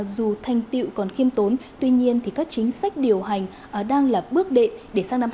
dù thanh tiệu còn khiêm tốn tuy nhiên các chính sách điều hành đang là bước đệ để sang năm hai nghìn hai mươi bốn